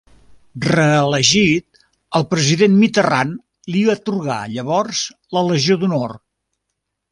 Reelegit, el president Mitterrand li atorga llavors la Legió d'Honor.